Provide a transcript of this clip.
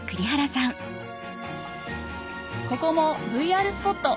ここもＶＲスポット